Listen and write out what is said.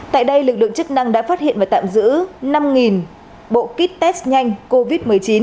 tại đây lực lượng chức năng đã phát hiện và tạm giữ năm bộ kit test nhanh covid một mươi chín